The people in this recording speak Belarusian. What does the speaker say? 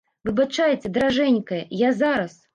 Выбачайце, даражэнькая, я зараз.